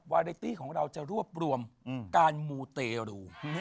วาเรตี้ของเราจะรวบรวมการมูเตรู